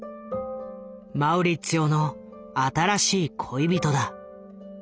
マウリッツィオの新しい恋人だ。